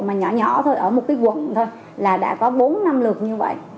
mà nhỏ nhỏ thôi ở một cái quận thôi là đã có bốn năm lượt như vậy